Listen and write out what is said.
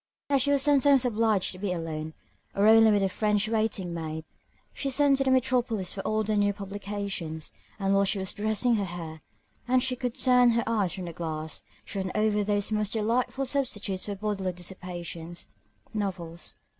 As she was sometimes obliged to be alone, or only with her French waiting maid, she sent to the metropolis for all the new publications, and while she was dressing her hair, and she could turn her eyes from the glass, she ran over those most delightful substitutes for bodily dissipation, novels.